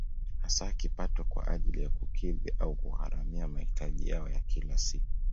Hasa kipato kwa ajili ya kukidhi au kugharamia mahitaji yao ya kila siku